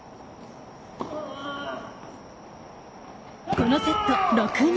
このセット６−２。